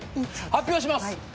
発表します！